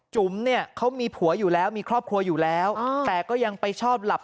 จุ๋มเนี่ยเขามีผัวอยู่แล้วมีครอบครัวอยู่แล้วแต่ก็ยังไปชอบหลับ